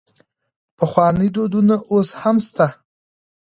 پخواني دودونه اوس هم سته.